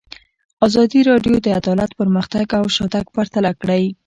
ازادي راډیو د عدالت پرمختګ او شاتګ پرتله کړی.